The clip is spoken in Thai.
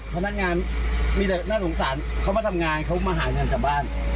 พนักงานมีแต่น่าสงสารเขามาทำงานเขามาหาเงินกลับบ้าน